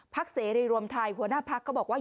ภักษณ์เสรีรวมไทยหัวหน้าพลักษณ์ก็บอกว่า